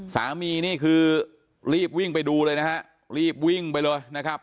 นี่คือรีบวิ่งไปดูเลยนะฮะรีบวิ่งไปเลยนะครับ